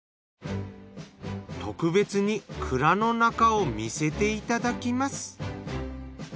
特別に蔵の中を見せていただきます。